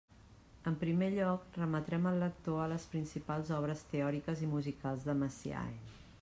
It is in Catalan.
En primer lloc, remetrem el lector a les principals obres teòriques i musicals de Messiaen.